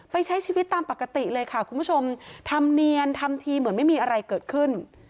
ใช้ชีวิตตามปกติเลยค่ะคุณผู้ชมทำเนียนทำทีเหมือนไม่มีอะไรเกิดขึ้น